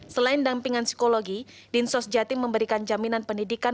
selain dampingan psikologi din sos jatim memberikan jaminan pendidikan